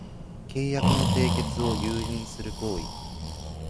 契約の締結を誘引する行為